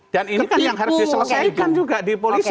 dan ini kan yang harus diselesaikan juga di polisi